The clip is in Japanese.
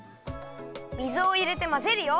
水をいれてまぜるよ。